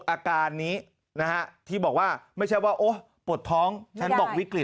อาการนี้นะฮะที่บอกว่าไม่ใช่ว่าโอ๊ยปวดท้องฉันบอกวิกฤต